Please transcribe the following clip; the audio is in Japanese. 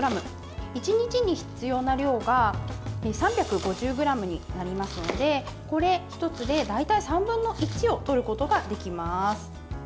１日に必要な量が３５０ｇになりますのでこれ１つで大体３分の１をとることができます。